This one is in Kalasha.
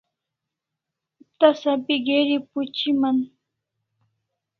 Tasa pi geri phuchiman